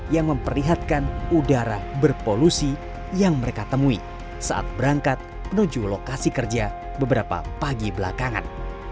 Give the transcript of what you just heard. yang memperlihatkan udara berpolusi yang mereka temui saat berangkat menuju lokasi kerja beberapa pagi belakangan